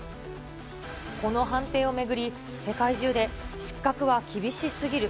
この判定を巡り、世界中で失格は厳しすぎる。